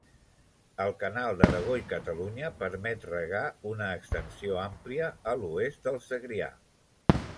El canal d'Aragó i Catalunya permet regar una extensió àmplia a l'oest del Segrià.